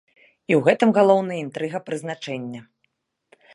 І ў гэтым галоўная інтрыга прызначэння.